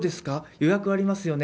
予約ありますよね？